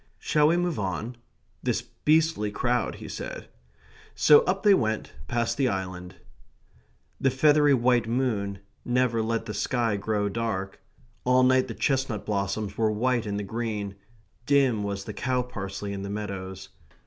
"Shall we move on... this beastly crowd..." he said. So up they went, past the island. The feathery white moon never let the sky grow dark; all night the chestnut blossoms were white in the green; dim was the cow parsley in the meadows.